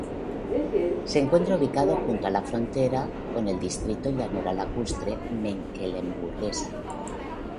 Se encuentra ubicado junto a la frontera con el distrito Llanura Lacustre Mecklemburguesa.